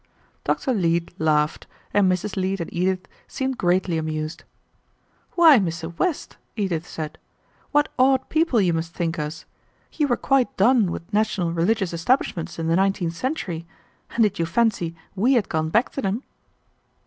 Dr. Leete laughed, and Mrs. Leete and Edith seemed greatly amused. "Why, Mr. West," Edith said, "what odd people you must think us. You were quite done with national religious establishments in the nineteenth century, and did you fancy we had gone back to them?"